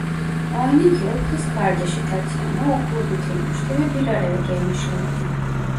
Aynı yıl kız kardeşi Tatyana okulu bitirmişti ve bir araya gelmişlerdi.